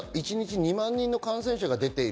一日２万人の感染者が出ている。